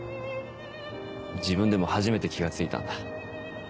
自分でも初めて気が付いたんだ。